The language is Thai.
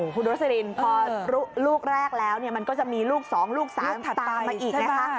คุณโรสลินพอลูกแรกแล้วมันก็จะมีลูก๒ลูก๓ตามมาอีกนะคะ